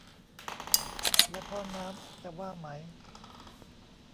แล้วพ่อน้ำจะว่าไหม